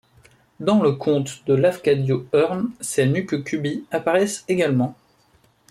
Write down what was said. Dans le conte ' de Lafcadio Hearn, ces nukekubi apparaissent également.